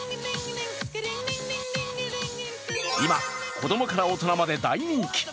今、子供から大人まで大人気。